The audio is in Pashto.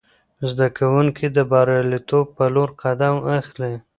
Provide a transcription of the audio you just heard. زده کوونکي د بریالیتوب په لور قدم اخلي.